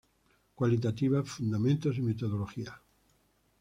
Cualitativa, fundamentos y metodología.